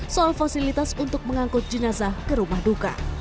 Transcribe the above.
soal fasilitas untuk mengangkut jenazah ke rumah duka